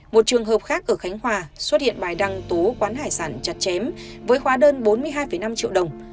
một trường hợp khác ở khánh hòa xuất hiện bài đăng tú quán hải sản chặt chém với khóa đơn bốn mươi hai năm triệu đồng